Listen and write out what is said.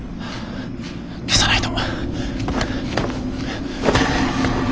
消さないと。